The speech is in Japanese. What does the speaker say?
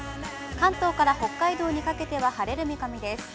関東から北海道にかけては、晴れる見込みです。